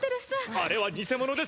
あれは偽者です。